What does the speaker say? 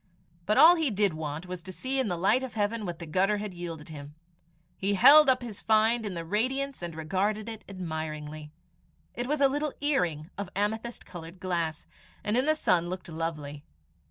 But all he did want was to see in the light of heaven what the gutter had yielded him. He held up his find in the radiance and regarded it admiringly. It was a little earring of amethyst coloured glass, and in the sun looked lovely.